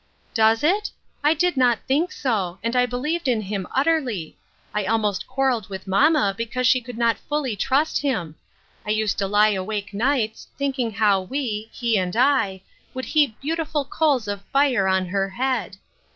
" Does it ? I did not think so ; and I believed in him utterly ; I almost quarreled with mamma because she could not fully trust him. I used to lie awake nights, thinking how we — he and I — would heap beautiful coals of fire on her head.